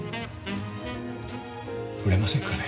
売れませんかね。